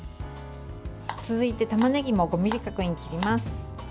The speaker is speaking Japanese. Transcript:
続いて、たまねぎも５ｍｍ角に切ります。